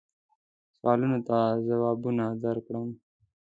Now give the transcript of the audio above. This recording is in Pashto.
سوالونو ته جوابونه درکړم.